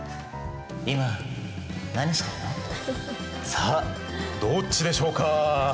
さあどっちでしょうか？